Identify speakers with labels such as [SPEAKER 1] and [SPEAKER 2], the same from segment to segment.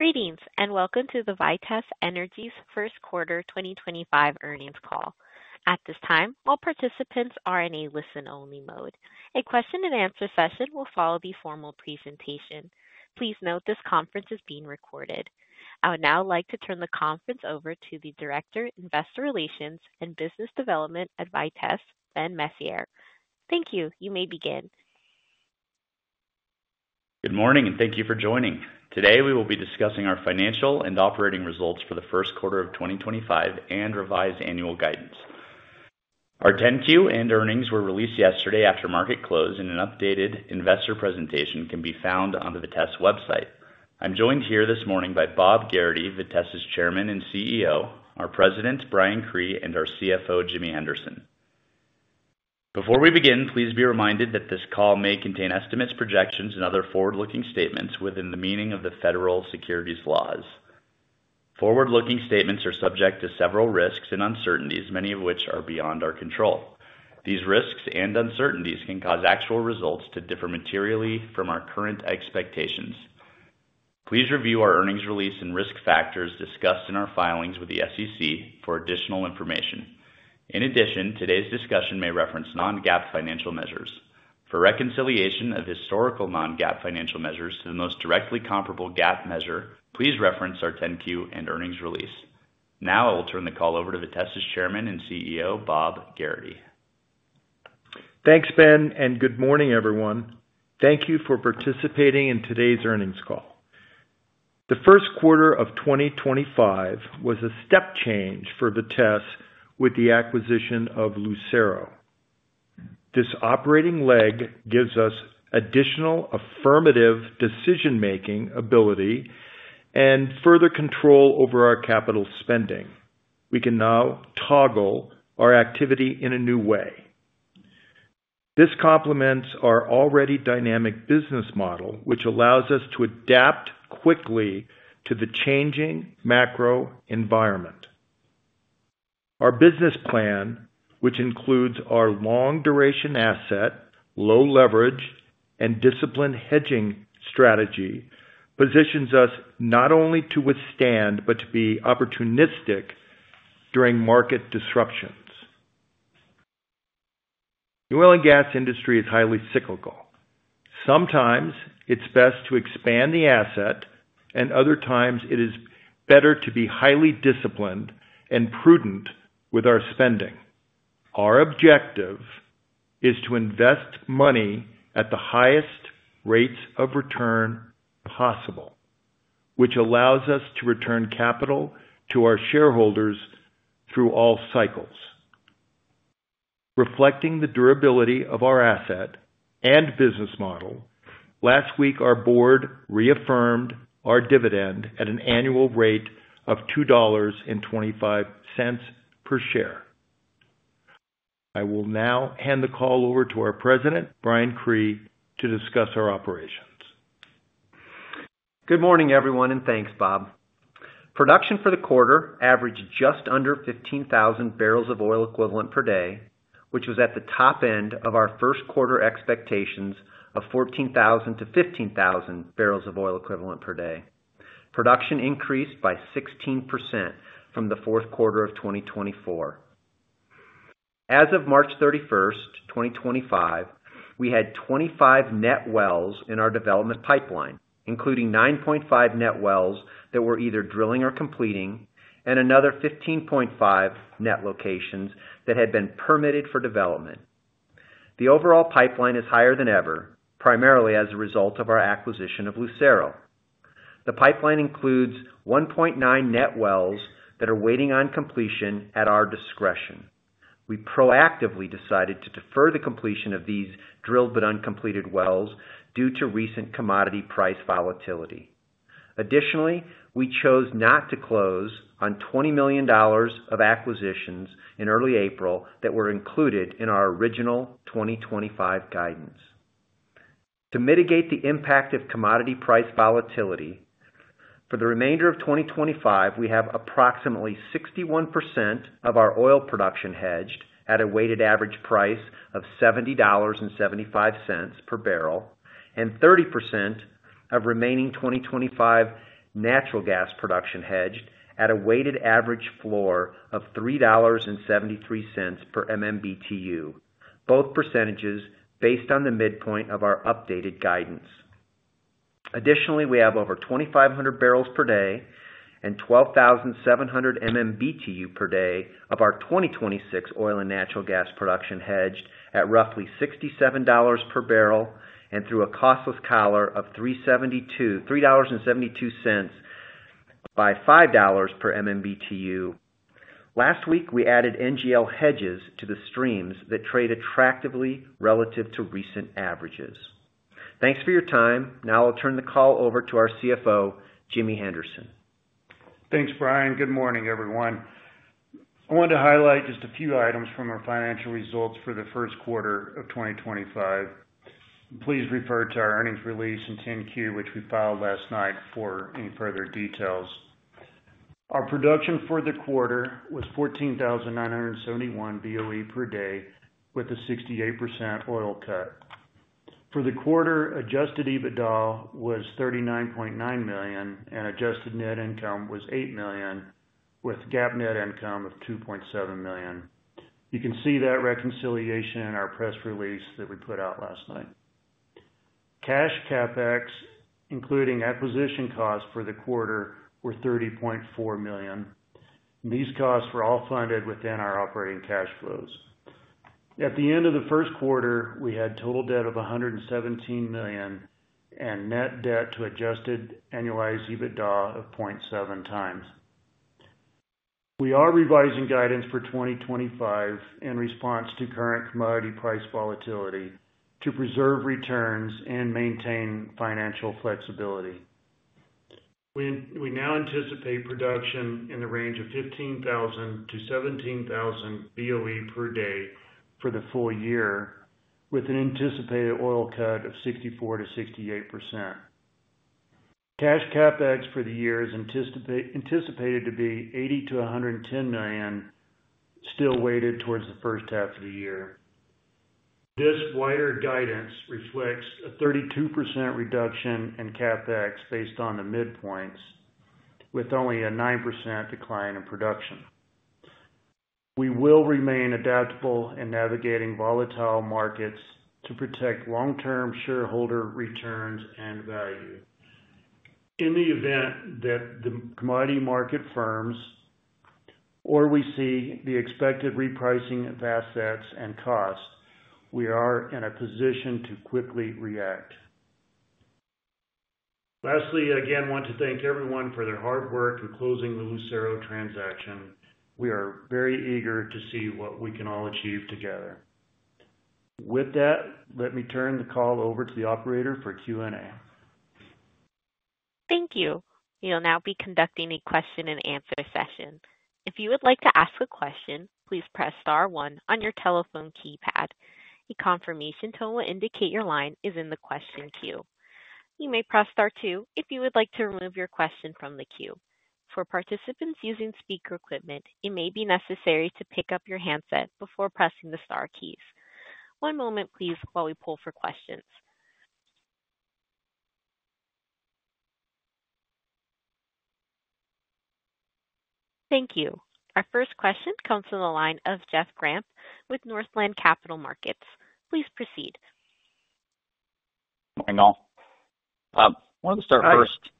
[SPEAKER 1] Greetings and welcome to the Vitesse Energy's first quarter 2025 earnings call. At this time, all participants are in a listen-only mode. A question-and-answer session will follow the formal presentation. Please note this conference is being recorded. I would now like to turn the conference over to the Director, Investor Relations and Business Development at Vitesse, Ben Messier. Thank you. You may begin.
[SPEAKER 2] Good morning, and thank you for joining. Today, we will be discussing our financial and operating results for the first quarter of 2025 and revised annual guidance. Our 10-Q and earnings were released yesterday after market close, and an updated investor presentation can be found on the Vitesse website. I'm joined here this morning by Bob Gerrity, Vitesse's Chairman and CEO, our President, Brian Cree, and our CFO, Jimmy Henderson. Before we begin, please be reminded that this call may contain estimates, projections, and other forward-looking statements within the meaning of the federal securities laws. Forward-looking statements are subject to several risks and uncertainties, many of which are beyond our control. These risks and uncertainties can cause actual results to differ materially from our current expectations. Please review our earnings release and risk factors discussed in our filings with the SEC for additional information. In addition, today's discussion may reference non-GAAP financial measures. For reconciliation of historical non-GAAP financial measures to the most directly comparable GAAP measure, please reference our 10-Q and earnings release. Now, I will turn the call over to Vitesse's Chairman and CEO, Bob Gerrity.
[SPEAKER 3] Thanks, Ben, and good morning, everyone. Thank you for participating in today's earnings call. The first quarter of 2025 was a step change for Vitesse with the acquisition of Lucero. This operating leg gives us additional affirmative decision-making ability and further control over our capital spending. We can now toggle our activity in a new way. This complements our already dynamic business model, which allows us to adapt quickly to the changing macro environment. Our business plan, which includes our long-duration asset, low leverage, and disciplined hedging strategy, positions us not only to withstand but to be opportunistic during market disruptions. The oil and gas industry is highly cyclical. Sometimes it's best to expand the asset, and other times it is better to be highly disciplined and prudent with our spending. Our objective is to invest money at the highest rates of return possible, which allows us to return capital to our shareholders through all cycles. Reflecting the durability of our asset and business model, last week our board reaffirmed our dividend at an annual rate of $2.25 per share. I will now hand the call over to our President, Brian Cree, to discuss our operations.
[SPEAKER 4] Good morning, everyone, and thanks, Bob. Production for the quarter averaged just under 15,000 bbl of oil equivalent per day, which was at the top end of our first quarter expectations of 14,000 bbl-15,000 bbl of oil equivalent per day. Production increased by 16% from the fourth quarter of 2024. As of March 31st, 2025, we had 25 net wells in our development pipeline, including 9.5 net wells that were either drilling or completing, and another 15.5 net locations that had been permitted for development. The overall pipeline is higher than ever, primarily as a result of our acquisition of Lucero. The pipeline includes 1.9 net wells that are waiting on completion at our discretion. We proactively decided to defer the completion of these drilled but uncompleted wells due to recent commodity price volatility. Additionally, we chose not to close on $20 million of acquisitions in early April that were included in our original 2025 guidance. To mitigate the impact of commodity price volatility, for the remainder of 2025, we have approximately 61% of our oil production hedged at a weighted average price of $70.75 per bbl, and 30% of remaining 2025 natural gas production hedged at a weighted average floor of $3.73 per MMBTU, both percentages based on the midpoint of our updated guidance. Additionally, we have over 2,500 bbl per day and 12,700 MMBTU per day of our 2026 oil and natural gas production hedged at roughly $67 per bbl and through a costless collar of $3.72 by $5 per MMBTU. Last week, we added NGL hedges to the streams that trade attractively relative to recent averages. Thanks for your time. Now, I'll turn the call over to our CFO, Jimmy Henderson.
[SPEAKER 5] Thanks, Brian. Good morning, everyone. I wanted to highlight just a few items from our financial results for the first quarter of 2025. Please refer to our earnings release and 10-Q, which we filed last night for any further details. Our production for the quarter was 14,971 BOE per day with a 68% oil cut. For the quarter, adjusted EBITDA was $39.9 million, and adjusted net income was $8 million, with GAAP net income of $2.7 million. You can see that reconciliation in our press release that we put out last night. Cash CapEx, including acquisition costs for the quarter, were $30.4 million. These costs were all funded within our operating cash flows. At the end of the first quarter, we had total debt of $117 million and net debt to adjusted annualized EBITDA of 0.7 times. We are revising guidance for 2025 in response to current commodity price volatility to preserve returns and maintain financial flexibility. We now anticipate production in the range of 15,000 BOE-17,000 BOE per day for the full year, with an anticipated oil cut of 64%-68%. Cash CapEx for the year is anticipated to be $80 million-$110 million, still weighted towards the first half of the year. This wider guidance reflects a 32% reduction in CapEx based on the midpoints, with only a 9% decline in production. We will remain adaptable in navigating volatile markets to protect long-term shareholder returns and value. In the event that the commodity market firms or we see the expected repricing of assets and costs, we are in a position to quickly react. Lastly, again, I want to thank everyone for their hard work in closing the Lucero transaction. We are very eager to see what we can all achieve together. With that, let me turn the call over to the operator for Q&A.
[SPEAKER 1] Thank you. We will now be conducting a question-and-answer session. If you would like to ask a question, please press star one on your telephone keypad. A confirmation tone will indicate your line is in the question queue. You may press star two if you would like to remove your question from the queue. For participants using speaker equipment, it may be necessary to pick up your handset before pressing the star keys. One moment, please, while we pull for questions. Thank you. Our first question comes from the line of Jeff Grampp with Northland Capital Markets. Please proceed.
[SPEAKER 6] Morning, all. I wanted to start first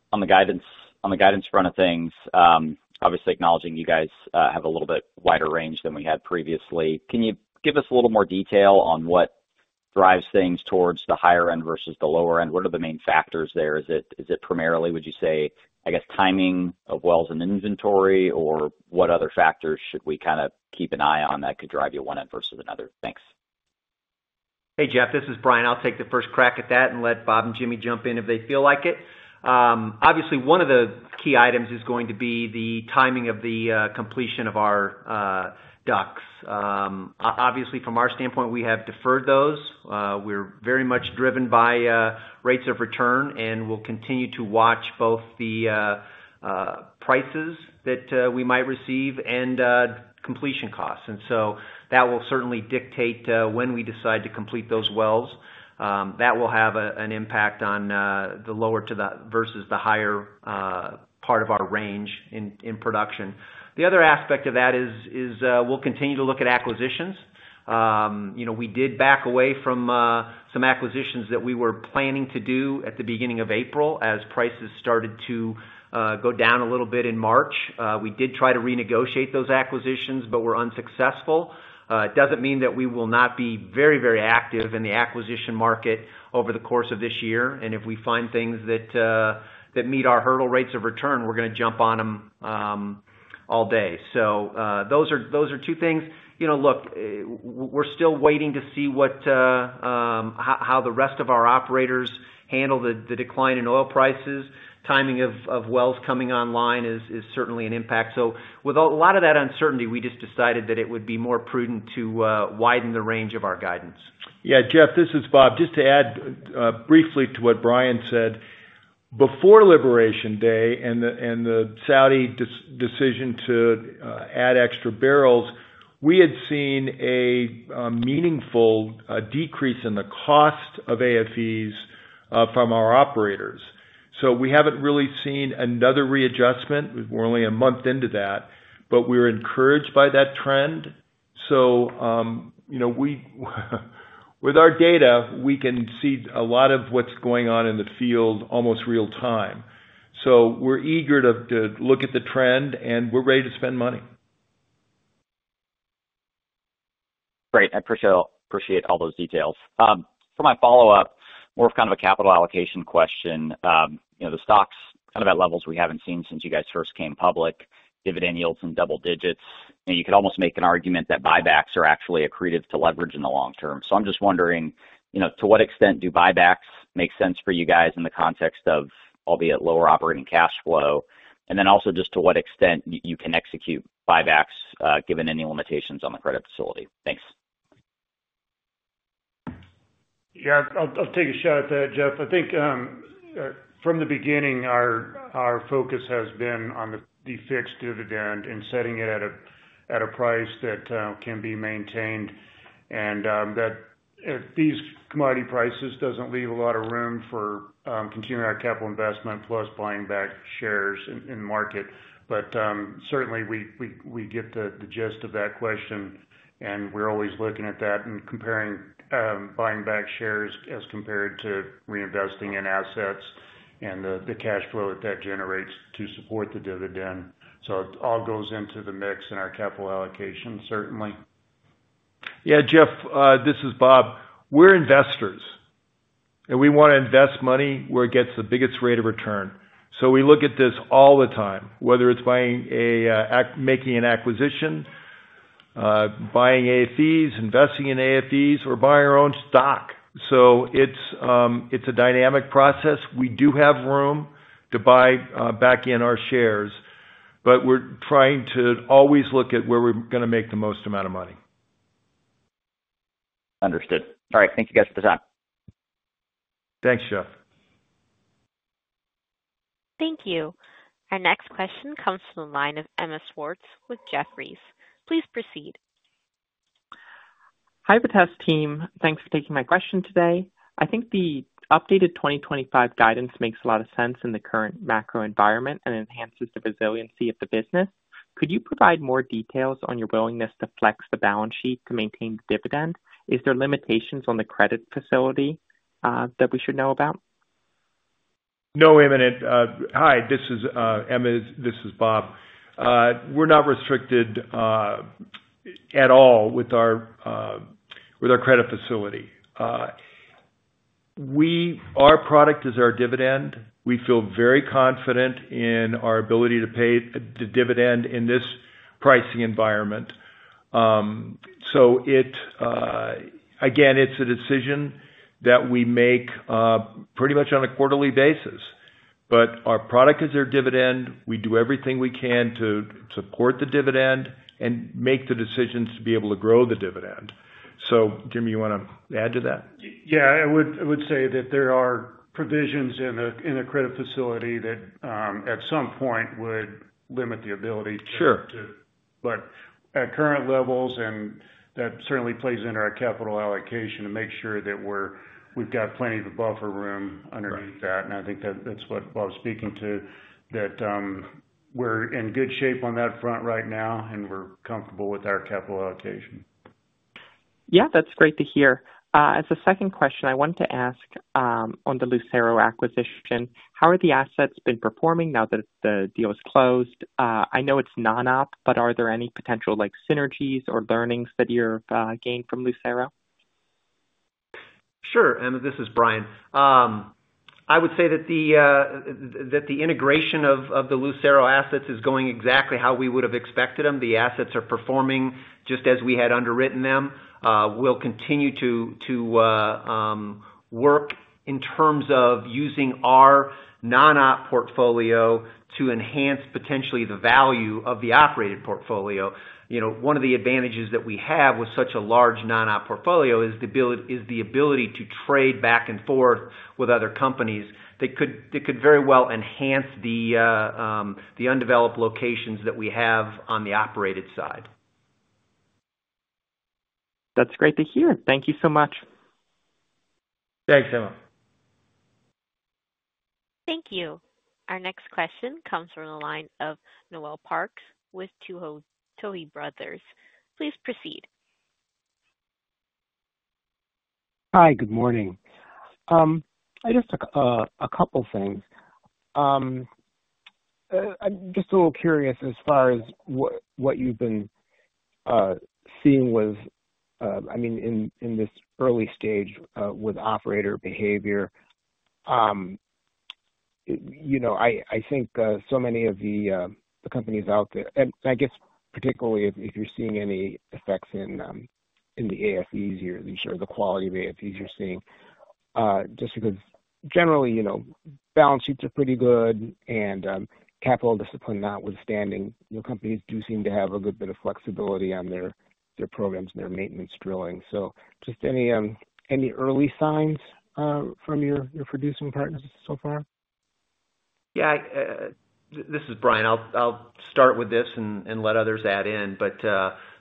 [SPEAKER 6] on the guidance front of things, obviously acknowledging you guys have a little bit wider range than we had previously. Can you give us a little more detail on what drives things towards the higher end versus the lower end? What are the main factors there? Is it primarily, would you say, I guess, timing of wells and inventory, or what other factors should we kind of keep an eye on that could drive you one end versus another? Thanks.
[SPEAKER 4] Hey, Jeff, this is Brian. I'll take the first crack at that and let Bob and Jimmy jump in if they feel like it. Obviously, one of the key items is going to be the timing of the completion of our DUCs. Obviously, from our standpoint, we have deferred those. We're very much driven by rates of return, and we'll continue to watch both the prices that we might receive and completion costs. That will certainly dictate when we decide to complete those wells. That will have an impact on the lower versus the higher part of our range in production. The other aspect of that is we'll continue to look at acquisitions. We did back away from some acquisitions that we were planning to do at the beginning of April as prices started to go down a little bit in March. We did try to renegotiate those acquisitions, but we were unsuccessful. It does not mean that we will not be very, very active in the acquisition market over the course of this year. If we find things that meet our hurdle rates of return, we are going to jump on them all day. Those are two things. Look, we are still waiting to see how the rest of our operators handle the decline in oil prices. Timing of wells coming online is certainly an impact. With a lot of that uncertainty, we just decided that it would be more prudent to widen the range of our guidance.
[SPEAKER 3] Yeah, Jeff, this is Bob. Just to add briefly to what Brian said, before Liberation Day and the Saudi decision to add extra barrels, we had seen a meaningful decrease in the cost of AFEs from our operators. We have not really seen another readjustment. We're only a month into that, but we're encouraged by that trend. With our data, we can see a lot of what's going on in the field almost real time. We're eager to look at the trend, and we're ready to spend money.
[SPEAKER 6] Great. I appreciate all those details. For my follow-up, more of kind of a capital allocation question. The stock's kind of at levels we haven't seen since you guys first came public. Dividend yield's in double digits. You could almost make an argument that buybacks are actually accretive to leverage in the long term. I'm just wondering, to what extent do buybacks make sense for you guys in the context of, albeit, lower operating cash flow? Also, just to what extent you can execute buybacks given any limitations on the credit facility? Thanks.
[SPEAKER 5] Yeah, I'll take a shot at that, Jeff. I think from the beginning, our focus has been on the fixed dividend and setting it at a price that can be maintained. These commodity prices do not leave a lot of room for continuing our capital investment plus buying back shares in the market. Certainly, we get the gist of that question, and we're always looking at that and comparing buying back shares as compared to reinvesting in assets and the cash flow that that generates to support the dividend. It all goes into the mix in our capital allocation, certainly.
[SPEAKER 3] Yeah, Jeff, this is Bob. We're investors, and we want to invest money where it gets the biggest rate of return. We look at this all the time, whether it's making an acquisition, buying AFEs, investing in AFEs, or buying our own stock. It's a dynamic process. We do have room to buy back in our shares, but we're trying to always look at where we're going to make the most amount of money.
[SPEAKER 6] Understood. All right. Thank you guys for the time.
[SPEAKER 3] Thanks, Jeff.
[SPEAKER 1] Thank you. Our next question comes from the line of Emma Schwartz with Jefferies. Please proceed.
[SPEAKER 7] Hi Vitesse team. Thanks for taking my question today. I think the updated 2025 guidance makes a lot of sense in the current macro environment and enhances the resiliency of the business. Could you provide more details on your willingness to flex the balance sheet to maintain the dividend? Is there limitations on the credit facility that we should know about?
[SPEAKER 3] No [limit]. Hi Emma, this is Bob. We're not restricted at all with our credit facility. Our product is our dividend. We feel very confident in our ability to pay the dividend in this pricing environment. It is a decision that we make pretty much on a quarterly basis. Our product is our dividend. We do everything we can to support the dividend and make the decisions to be able to grow the dividend. Jimmy, you want to add to that?
[SPEAKER 5] Yeah, I would say that there are provisions in the credit facility that at some point would limit the ability to.
[SPEAKER 3] Sure.
[SPEAKER 5] At current levels, and that certainly plays into our capital allocation to make sure that we've got plenty of buffer room underneath that. I think that's what Bob's speaking to, that we're in good shape on that front right now, and we're comfortable with our capital allocation.
[SPEAKER 7] Yeah, that's great to hear. As a second question, I wanted to ask on the Lucero acquisition, how have the assets been performing now that the deal is closed? I know it's non-op, but are there any potential synergies or learnings that you've gained from Lucero?
[SPEAKER 4] Sure. This is Brian. I would say that the integration of the Lucero assets is going exactly how we would have expected them. The assets are performing just as we had underwritten them. We'll continue to work in terms of using our non-op portfolio to enhance potentially the value of the operated portfolio. One of the advantages that we have with such a large non-op portfolio is the ability to trade back and forth with other companies that could very well enhance the undeveloped locations that we have on the operated side.
[SPEAKER 7] That's great to hear. Thank you so much.
[SPEAKER 3] Thanks, Emma.
[SPEAKER 1] Thank you. Our next question comes from the line of Noel Parks with Tuohy Brothers. Please proceed.
[SPEAKER 8] Hi, good morning. I just took a couple of things. I'm just a little curious as far as what you've been seeing with, I mean, in this early stage with operator behavior. I think so many of the companies out there, and I guess particularly if you're seeing any effects in the AFEs or the quality of AFEs you're seeing, just because generally balance sheets are pretty good and capital discipline notwithstanding, companies do seem to have a good bit of flexibility on their programs and their maintenance drilling. Just any early signs from your producing partners so far?
[SPEAKER 4] Yeah, this is Brian. I'll start with this and let others add in.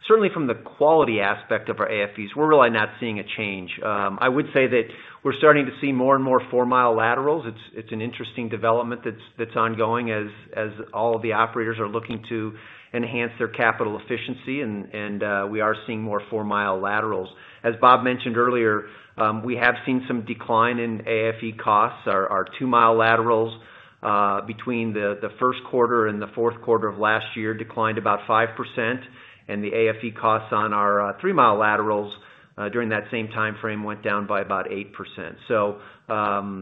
[SPEAKER 4] Certainly from the quality aspect of our AFEs, we're really not seeing a change. I would say that we're starting to see more and more four-mi laterals. It's an interesting development that's ongoing as all of the operators are looking to enhance their capital efficiency, and we are seeing more four-mi laterals. As Bob mentioned earlier, we have seen some decline in AFE costs. Our two-mi laterals between the first quarter and the fourth quarter of last year declined about 5%, and the AFE costs on our three-mi laterals during that same timeframe went down by about 8%.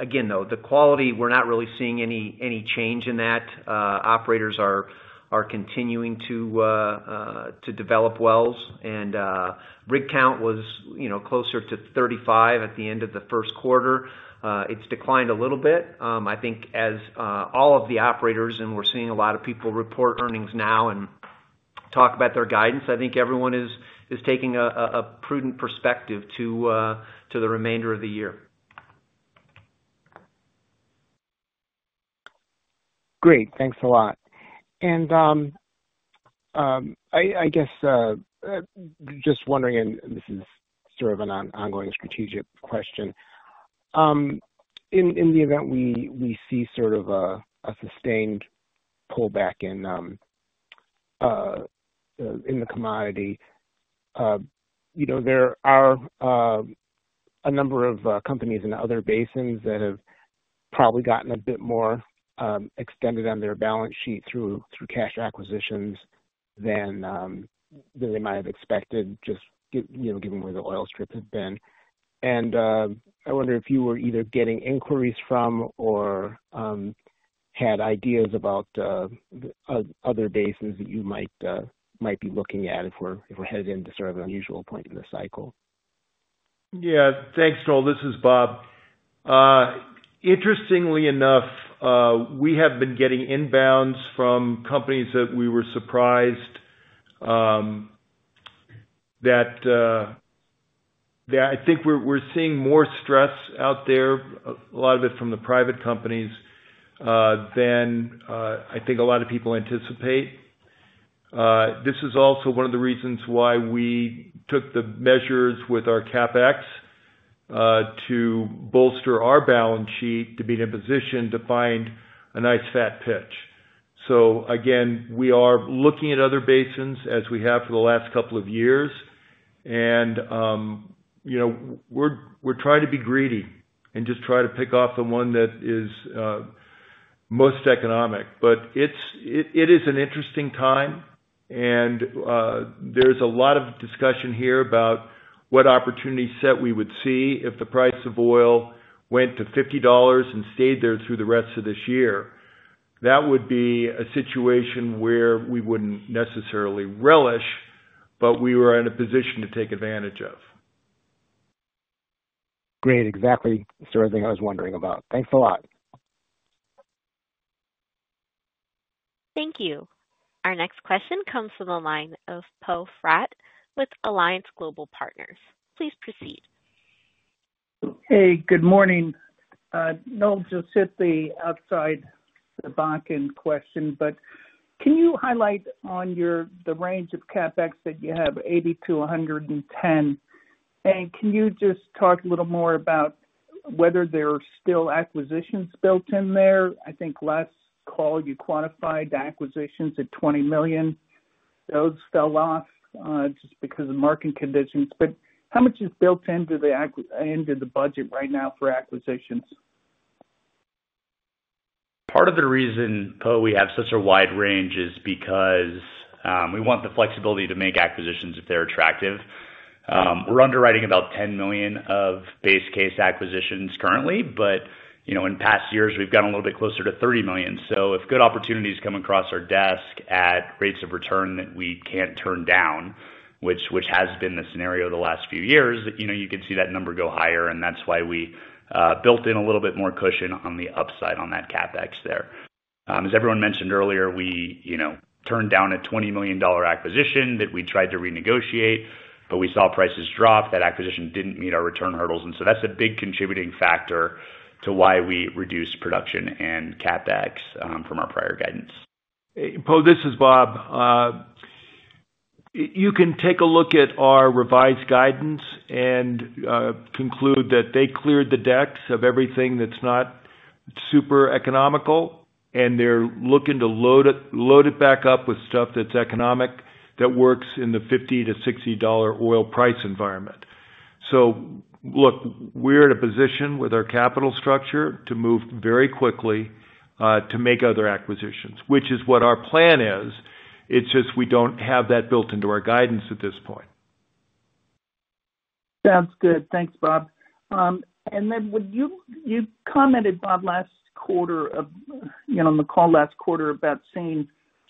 [SPEAKER 4] Again, though, the quality, we're not really seeing any change in that. Operators are continuing to develop wells, and rig count was closer to 35 at the end of the first quarter. It's declined a little bit. I think as all of the operators, and we're seeing a lot of people report earnings now and talk about their guidance, I think everyone is taking a prudent perspective to the remainder of the year.
[SPEAKER 8] Great. Thanks a lot. I guess just wondering, and this is sort of an ongoing strategic question, in the event we see sort of a sustained pullback in the commodity, there are a number of companies in other basins that have probably gotten a bit more extended on their balance sheet through cash acquisitions than they might have expected, just given where the oil strips have been. I wonder if you were either getting inquiries from or had ideas about other basins that you might be looking at if we're headed into sort of an unusual point in the cycle.
[SPEAKER 3] Yeah. Thanks, Noel. This is Bob. Interestingly enough, we have been getting inbounds from companies that we were surprised that I think we're seeing more stress out there, a lot of it from the private companies than I think a lot of people anticipate. This is also one of the reasons why we took the measures with our CapEx to bolster our balance sheet to be in a position to find a nice fat pitch. Again, we are looking at other basins as we have for the last couple of years, and we're trying to be greedy and just try to pick off the one that is most economic. It is an interesting time, and there's a lot of discussion here about what opportunity set we would see if the price of oil went to $50 and stayed there through the rest of this year. That would be a situation where we wouldn't necessarily relish, but we were in a position to take advantage of.
[SPEAKER 8] Great. Exactly sort of the thing I was wondering about. Thanks a lot.
[SPEAKER 1] Thank you. Our next question comes from the line of Poe Fratt with Alliance Global Partners. Please proceed.
[SPEAKER 9] Hey, good morning. Noel just hit the outside the bonking question, but can you highlight on the range of CapEx that you have $80 million-$110 million? And can you just talk a little more about whether there are still acquisitions built in there? I think last call you quantified acquisitions at $20 million. Those fell off just because of market conditions. But how much is built into the budget right now for acquisitions?
[SPEAKER 4] Part of the reason, Poe, we have such a wide range is because we want the flexibility to make acquisitions if they're attractive. We're underwriting about $10 million of base case acquisitions currently, but in past years, we've gotten a little bit closer to $30 million. If good opportunities come across our desk at rates of return that we can't turn down, which has been the scenario the last few years, you can see that number go higher, and that's why we built in a little bit more cushion on the upside on that CapEx there. As everyone mentioned earlier, we turned down a $20 million acquisition that we tried to renegotiate, but we saw prices drop. That acquisition didn't meet our return hurdles. That is a big contributing factor to why we reduced production and CapEx from our prior guidance.
[SPEAKER 3] Poe, this is Bob. You can take a look at our revised guidance and conclude that they cleared the decks of everything that's not super economical, and they're looking to load it back up with stuff that's economic that works in the $50-$60 oil price environment. Look, we're in a position with our capital structure to move very quickly to make other acquisitions, which is what our plan is. It's just we don't have that built into our guidance at this point.
[SPEAKER 9] Sounds good. Thanks, Bob. You commented, Bob, last quarter on the call last quarter about seeing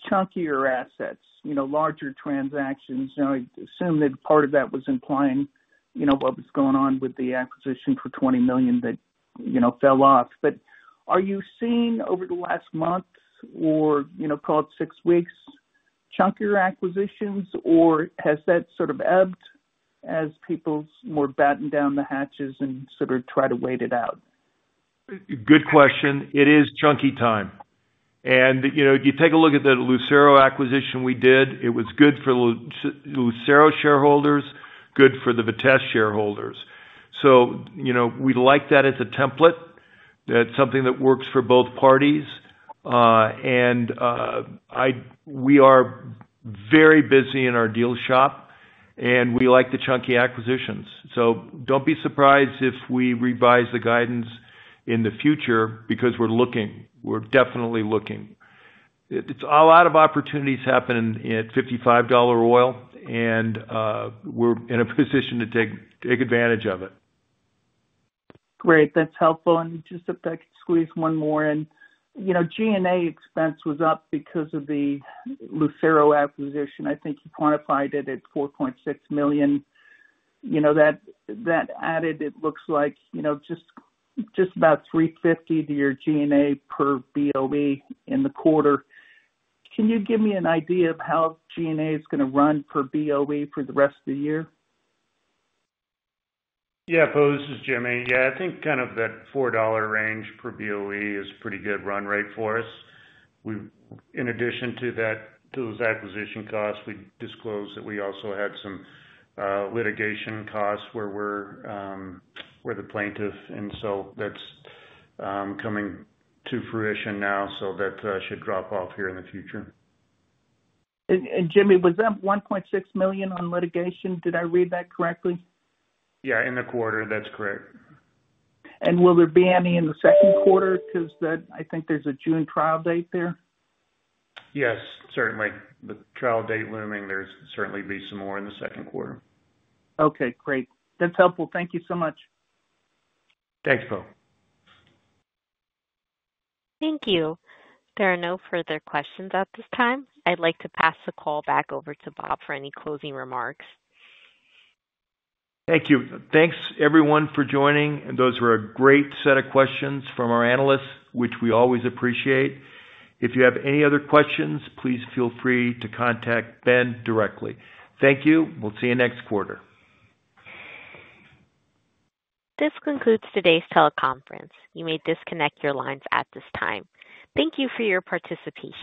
[SPEAKER 9] chunkier assets, larger transactions. I assume that part of that was implying what was going on with the acquisition for $20 million that fell off. Are you seeing over the last month or call it six weeks chunkier acquisitions, or has that sort of ebbed as people more batten down the hatches and sort of try to wait it out?
[SPEAKER 3] Good question. It is chunky time. You take a look at the Lucero acquisition we did. It was good for Lucero shareholders, good for the Vitesse shareholders. We like that as a template, that's something that works for both parties. We are very busy in our deal shop, and we like the chunky acquisitions. Do not be surprised if we revise the guidance in the future because we are looking. We are definitely looking. A lot of opportunities happen at $55 oil, and we are in a position to take advantage of it.
[SPEAKER 9] Great. That's helpful. If I could squeeze one more, G&A expense was up because of the Lucero acquisition. I think you quantified it at $4.6 million. That added, it looks like, just about $3.50 to your G&A per BOE in the quarter. Can you give me an idea of how G&A is going to run per BOE for the rest of the year?
[SPEAKER 5] Yeah, Poe, this is Jimmy. Yeah, I think kind of that $4 range per BOE is a pretty good run rate for us. In addition to those acquisition costs, we disclosed that we also had some litigation costs where we're the plaintiff, and so that's coming to fruition now. That should drop off here in the future.
[SPEAKER 9] Jimmy, was that $1.6 million on litigation? Did I read that correctly?
[SPEAKER 5] Yeah, in the quarter, that's correct.
[SPEAKER 9] Will there be any in the second quarter? Because I think there's a June trial date there.
[SPEAKER 5] Yes, certainly. The trial date looming. There'll certainly be some more in the second quarter.
[SPEAKER 9] Okay, great. That's helpful. Thank you so much.
[SPEAKER 5] Thanks, Poe.
[SPEAKER 1] Thank you. There are no further questions at this time. I'd like to pass the call back over to Bob for any closing remarks.
[SPEAKER 3] Thank you. Thanks, everyone, for joining. Those were a great set of questions from our analysts, which we always appreciate. If you have any other questions, please feel free to contact Ben directly. Thank you. We'll see you next quarter.
[SPEAKER 1] This concludes today's teleconference. You may disconnect your lines at this time. Thank you for your participation.